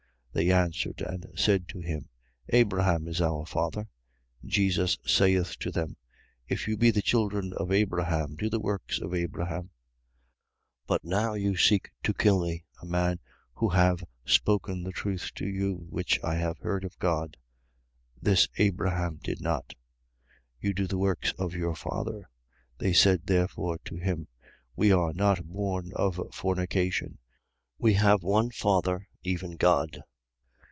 8:39. They answered and said to him: Abraham is our father. Jesus saith them: If you be the children of Abraham, do the works of Abraham. 8:40. But now you seek to kill me, a man who have spoken the truth to you, which I have heard of God. This Abraham did not. 8:41. You do the works of your father. They said therefore to him: We are not born of fornication: we have one Father, even God.